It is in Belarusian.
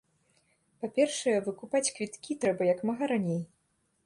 Па-першае, выкупаць квіткі трэба як мага раней.